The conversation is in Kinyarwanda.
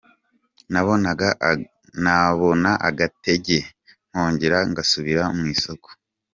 Nabona agatege, nkongera ngasubira mu isoko.